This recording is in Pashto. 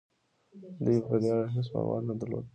دوی په دې اړه هيڅ معلومات نه درلودل.